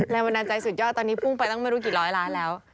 แรงบันดาลใจสุดยอดตอนนี้พุ่งไปตั้งไม่รู้กี่ร้อยล้านแล้ว